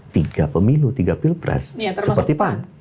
tiga pemilu tiga pilpres seperti pan